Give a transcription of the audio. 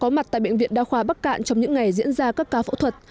có mặt tại bệnh viện đa khoa bắc cạn trong những ngày diễn ra các ca phẫu thuật